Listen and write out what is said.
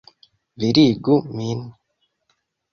Virigu min!